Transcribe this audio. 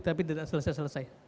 tapi tidak selesai selesai